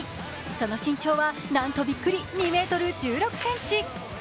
その身長はなんとびっくり２ｍ１６ｃｍ。